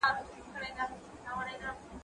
کتابتوني کار د مور له خوا ترسره کيږي